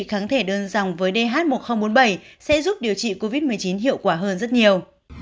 kháng thể đơn dòng với dh một nghìn bốn mươi bảy sẽ giúp điều trị covid một mươi chín hiệu quả hơn rất nhiều